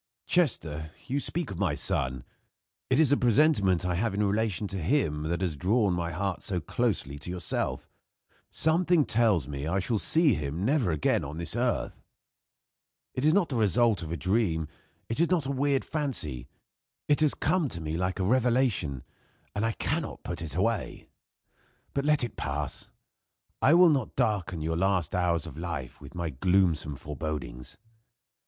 "Chester, you speak of my son. It is a presentiment I have in relation to him that has drawn my heart so closely to yourself. Something tells me I shall see him never again on earth. It is not the result of a dream; it is not a weird fancy; it has come to me like a revelation, and I cannot put it away. But let it pass. I will not darken your last hours of life with my gloomsome forebodings.